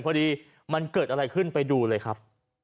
พอดีมันเกิดอะไรขึ้นไปดูเลยครับ